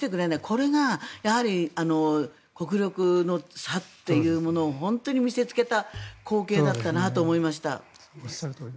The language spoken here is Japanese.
これが国力の差というものを本当に見せつけた光景だったなと思いました。